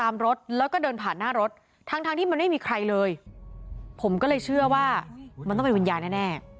มันเป็นวิญญาณแน่